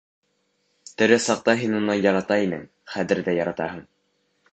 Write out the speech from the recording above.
Тере саҡта һин уны ярата инең, хәҙер ҙә яратаһың.